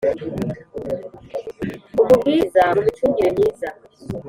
Amubwiriza mu micungire myiza.